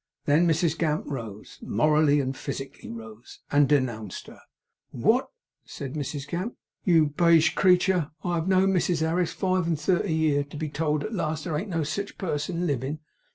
Then Mrs Gamp rose morally and physically rose and denounced her. 'What!' said Mrs Gamp, 'you bage creetur, have I know'd Mrs Harris five and thirty year, to be told at last that there ain't no sech a person livin'!